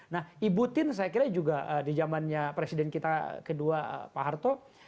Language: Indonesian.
nah ibu tin saya kira juga di zamannya presiden kita kedua pak harto